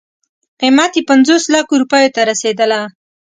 قیمت یې پنځوس لکو روپیو ته رسېدله.